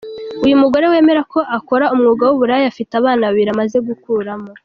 Uyu mugore wemera ko akora umwuga w’uburaya, afite abana babiri amaze gukuramo.